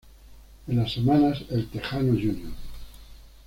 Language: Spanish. En las semanas, El Texano Jr.